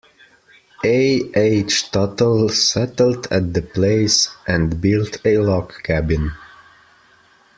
A. H. Tuttle settled at the place and built a log cabin.